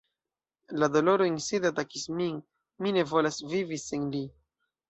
La doloro inside atakis min: mi ne volas vivi sen li.